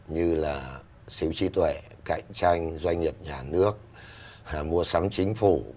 như là siêu tri tuệ cạnh tranh doanh nghiệp nhà nước mua sắm chính phủ v v